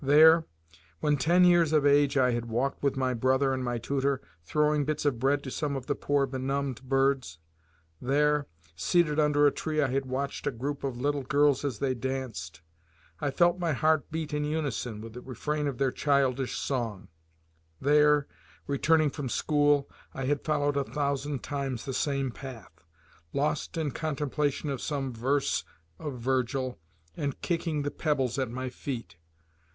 There, when ten years of age, I had walked with my brother and my tutor, throwing bits of bread to some of the poor benumbed birds; there, seated under a tree, I had watched a group of little girls as they danced; I felt my heart beat in unison with the refrain of their childish song; there, returning from school, I had followed a thousand times the same path, lost in contemplation of some verse of Virgil and kicking the pebbles at my feet.